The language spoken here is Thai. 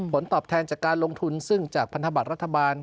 ผลตอบแทนจากการลงทุนซึ่งจากพันธบัตรรัฐบาล